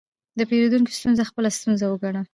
د پیرودونکي ستونزه خپله ستونزه وګڼه.